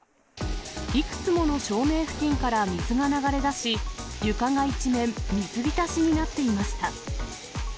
いくつもの照明付近から水が流れ出し、床が一面水浸しになっていました。